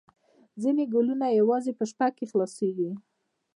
ځینې ګلونه یوازې په شپه کې خلاصیږي